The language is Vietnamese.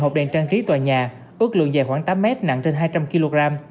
hộp đèn trang trí tòa nhà ước lượng dài khoảng tám mét nặng trên hai trăm linh kg